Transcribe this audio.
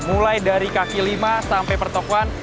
mulai dari kaki lima sampai pertokohan